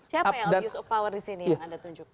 siapa yang abuse of power disini yang anda tunjukkan